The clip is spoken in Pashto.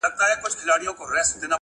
هره تجربه د ژوند نوی درس ورکوي،